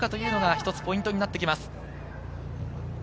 一つポイントになってきます。